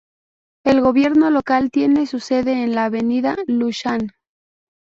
El gobierno local tiene su sede en la avenida Lushan.